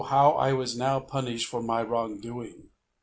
how was I now punished for my wrong doing!